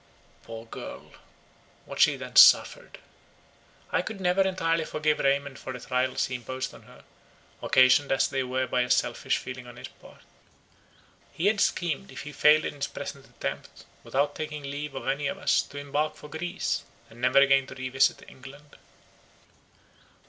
Poor girl! what she then suffered! I could never entirely forgive Raymond for the trials he imposed on her, occasioned as they were by a selfish feeling on his part. He had schemed, if he failed in his present attempt, without taking leave of any of us, to embark for Greece, and never again to revisit England.